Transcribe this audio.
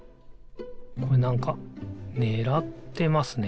これなんかねらってますね。